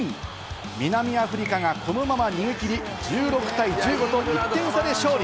南アフリカがこのまま逃げ切り、１６対１５と１点差で勝利。